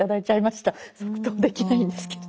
即答できないんですけれど。